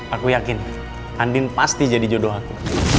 aku yakin andin pasti jadi jodoh aku